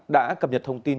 đã cập nhật thông tin